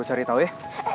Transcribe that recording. tunggu gue tau ya